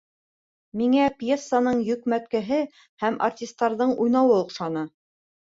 Миңә пьесаның йөкмәткеһе һәм артистарҙың уйнауы оҡшаны.